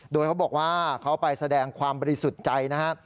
โดยเขาบอกว่าเขาไปแสดงความบริสุทธิ์ใจนะครับ